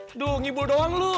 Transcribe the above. aduh ngibul doang lu